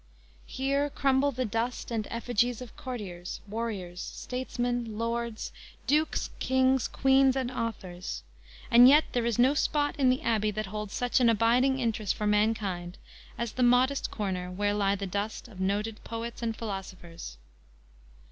Here crumble the dust and effigies of courtiers, warriors, statesmen, lords, dukes, kings, queens and authors; and yet, there is no spot in the Abbey that holds such an abiding interest for mankind as the modest corner where lie the dust of noted poets and philosophers.